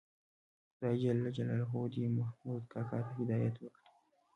خدای دې محمود کاکا ته هدایت وکړي.